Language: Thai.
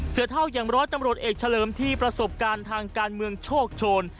เท่าอย่างร้อยตำรวจเอกเฉลิมที่ประสบการณ์ทางการเมืองโชคโชน